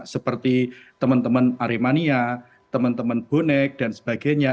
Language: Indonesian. seperti teman teman aremania teman teman bonek dan sebagainya